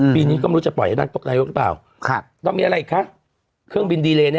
ปีนี้นึงไม่รู้จะปล่อยนั่งโต๊ะนายกหรือเปล่า